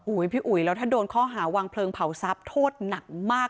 พี่อุ๋ยแล้วถ้าโดนข้อหาวางเพลิงเผาทรัพย์โทษหนักมาก